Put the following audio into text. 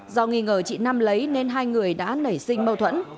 do nghi ngờ chị nam lấy nên hai người đã nảy sinh mâu thuẫn